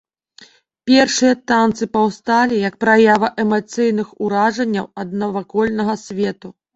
Першыя танцы паўсталі, як праява эмацыйных уражанняў ад навакольнага свету.